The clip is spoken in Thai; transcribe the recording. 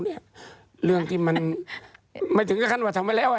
ไม่ถึงก็ได้ว่าทำไว้แล้ว